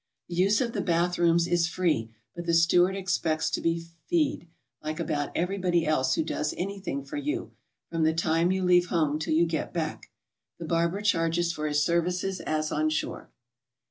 The use of the bath rooms is free, but the steward ex pects to be feed, like about everybody else who does any thing for you, from the time you leave home till you get back. The barber charges for his services as on shore.